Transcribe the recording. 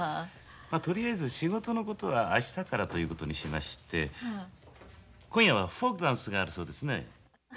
とりあえず仕事のことは明日からということにしまして今夜はフォークダンスがあるそうですね。